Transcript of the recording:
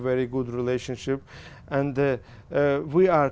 và để học giáo dục